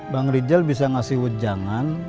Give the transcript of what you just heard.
bang ridjal bisa ngasih ujangan